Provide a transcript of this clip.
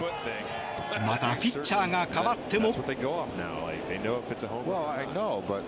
また、ピッチャーが代わっても。